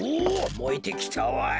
もえてきたわい。